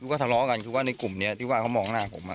ก็ทะเลาะกันคือว่าในกลุ่มนี้ที่ว่าเขามองหน้าผม